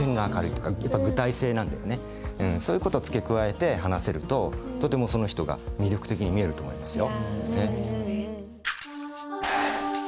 そういう事付け加えて話せるととてもその人が魅力的に見えると思いますよ。